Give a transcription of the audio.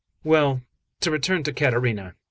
XXXV WELL, to return to Caterina.